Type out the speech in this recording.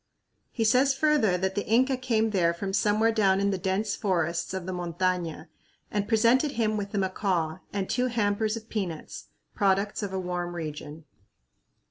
He says further that the Inca came there from somewhere down in the dense forests of the montaña and presented him with a macaw and two hampers of peanuts products of a warm region.